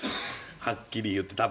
はっきり言って。